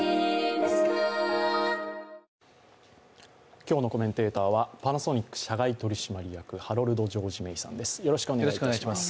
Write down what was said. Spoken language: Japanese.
今日のコメンテーターはパナソニック社外取締役、ハロルド・ジョージ・メイさんです。